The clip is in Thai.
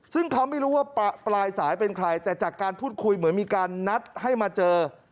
ซึ่งเขาไม่รู้ว่าปลายสายเป็นใครแต่จากการพูดคุยเหมือนมีการนัดให้มาเจอ